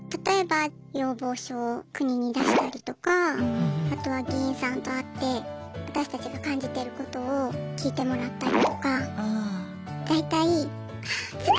例えば要望書を国に出したりとかあとは議員さんと会って私たちが感じていることを聞いてもらったりとか。